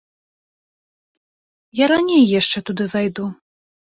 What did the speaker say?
Я раней яшчэ туды зайду.